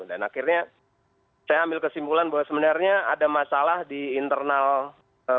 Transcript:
dan akhirnya saya ambil kesimpulan bahwa sebenarnya ada masalah di internal pemerintah